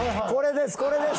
これです。